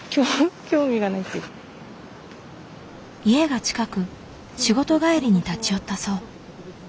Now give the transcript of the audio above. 家が近く仕事帰りに立ち寄ったそう。